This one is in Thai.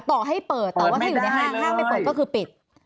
ต่อให้เปิดแต่ว่าถ้าอยู่ในห้างห้างไม่เปิดก็คือปิด